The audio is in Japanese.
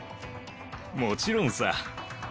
もちろんさ。